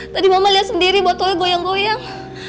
tadi mama liat sendiri botol goyang goyang